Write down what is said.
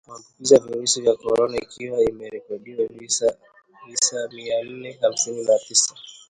maambukizi ya virusi vya corona ikiwa imerekodi visa mia nne hamsini na tisa